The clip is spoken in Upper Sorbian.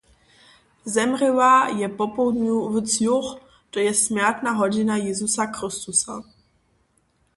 Zemrěła je popołdnju w třoch, to je smjertna hodźina Jězusa Chrysta.